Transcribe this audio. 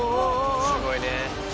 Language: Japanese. すごいね。